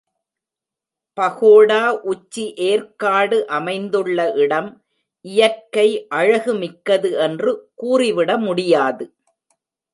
பகோடா உச்சி ஏர்க்காடு அமைந்துள்ள இடம் இயற்கை அழகுமிக்கது என்று கூறிவிட முடியாது.